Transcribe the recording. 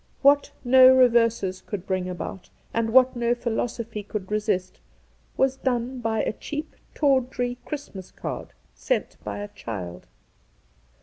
What no reverses could bring about, and what no philosophy could resist, was done by a cheap, tawdry Christ mas card sent by a child.